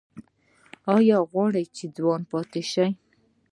ایا غواړئ چې ځوان پاتې شئ؟